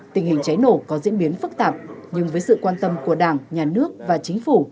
tình hình cháy nổ có diễn biến phức tạp nhưng với sự quan tâm của đảng nhà nước và chính phủ